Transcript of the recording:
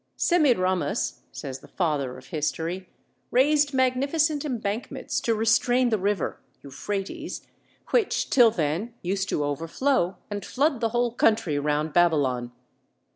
"Semiramis," says the father of history, "raised magnificent embankments to restrain the river (Euphrates), which till then used to overflow and flood the whole country round Babylon."